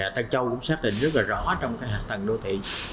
tân châu cũng xác định rất là rõ trong hạ tầng đô thị